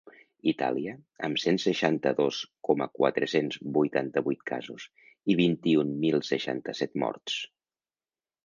Itàlia, amb cent seixanta-dos coma quatre-cents vuitanta-vuit casos i vint-i-un mil seixanta-set morts.